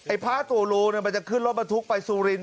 ไอ้พระตุรูมันจะขึ้นรถมันทุกข์ไปสุรินต์